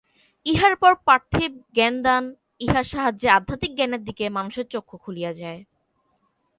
ইহার পর পার্থিব জ্ঞান-দান, ইহার সাহায্যে আধ্যাত্মিক জ্ঞানের দিকে মানুষের চক্ষু খুলিয়া যায়।